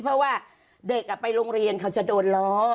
เพราะว่าเด็กไปโรงเรียนเขาจะโดนล้อ